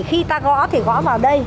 khi ta gõ thì gõ vào đây